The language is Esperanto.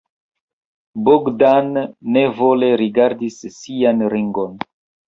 Bogdan nevole rigardis sian ringon.